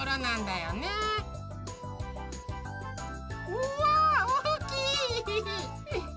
うわおおきい！